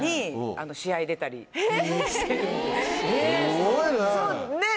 すごいねぇ！